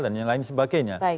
dan lain sebagainya